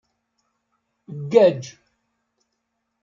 Ggaǧ.